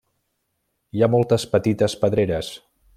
Hi ha moltes petites pedreres.